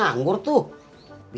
jangan lupa liat video ini